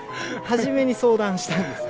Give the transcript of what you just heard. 初めに相談したんです。